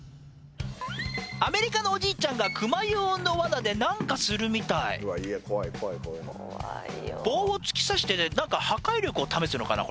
アメリカのおじいちゃんがクマ用の罠で何かするみたい棒を突き刺して破壊力を試すのかな